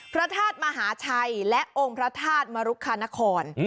พระธาตุมหาชัยและองค์พระธาตุมรุคานคร